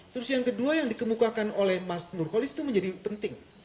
terus yang kedua yang dikemukakan oleh mas nurholis itu menjadi penting